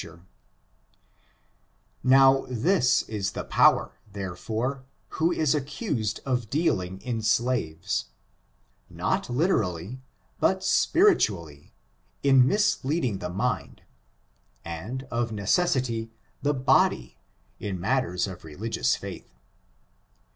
Now, this is the power, therefore, who is accused of dealing in slaves — not literally, but spiritually — in misleading the mind, and, of necessity, the body, in matters of religious /at/A.